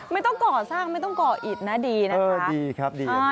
ไม่ต้องเกาะสร้างไม่ต้องเกาะอิดนะดีนะคะ